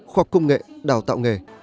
khoa công nghệ đào tạo nghề